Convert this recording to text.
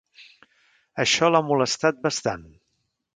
Això l'ha molestat bastant.